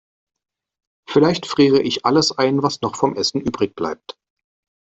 Vielleicht friere ich alles ein, was noch vom Essen übrigbleibt.